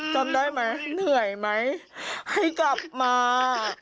จำได้ไหมเหนื่อยไหมให้กลับมา